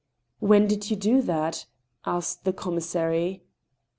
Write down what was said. " When did you do that ?" asked the commissary.